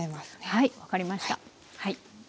はい分かりました。